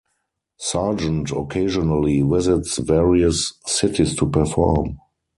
Sargent occasionally visits various cities to perform.